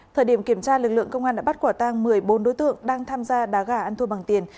thời điểm kiểm tra lực lượng công an đã bắt quả tang một mươi bốn đối tượng đang tham gia đá gà ăn thua bằng tiền